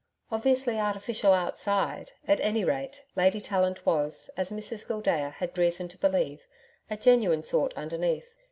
Obviously artificial outside, at any rate Lady Tallant was, as Mrs Gildea had reason to believe, a genuine sort underneath.